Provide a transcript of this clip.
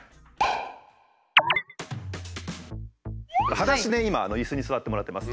はだしで今イスに座ってもらってます。